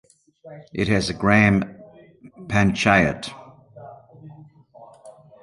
It has a Gram Panchayat.